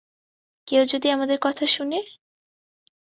কেউ যদি আমাদের কথা শুনে?